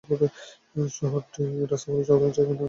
শহরটির রাস্তাগুলি চওড়া এবং এখানে অনেক পার্ক ও প্লাজা আছে।